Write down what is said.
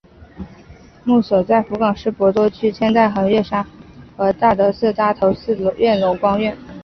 墓所在福冈市博多区千代横岳山崇福寺和京都市北区龙宝山大德寺搭头寺院龙光院。